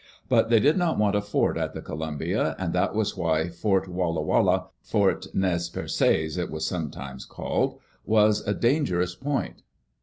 But they did not want a fort at the Columbia, and that was why Fort Walla Walla — Fort Nez Perces it was sometimes called — was a dan gerous point.